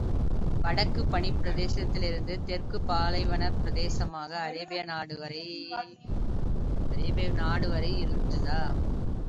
வடக்குப் பனிப் பிரதேசத்திலிருந்து தெற்குப் பாலைவனப் பிரதேசமான அரேபிய நாடு வரை யிருந்தது.